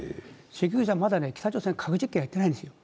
関口さん、北朝鮮はまだ核実験はやってないんですよ。